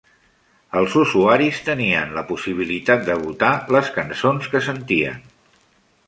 Els usuaris tenien la possibilitat de votar les cançons que sentien.